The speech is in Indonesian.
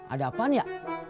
ada apaan ya